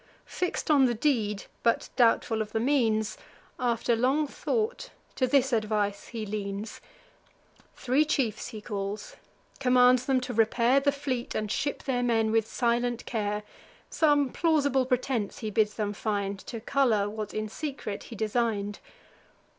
Fix'd on the deed, but doubtful of the means, After long thought, to this advice he leans: Three chiefs he calls, commands them to repair The fleet, and ship their men with silent care; Some plausible pretence he bids them find, To colour what in secret he design'd.